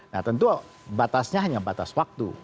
nah tentu batasnya hanya batas waktu